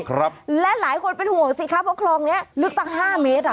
ครับและหลายคนเป็นห่วงสิครับเพราะคลองเนี้ยลึกตั้งห้าเมตรอ่ะ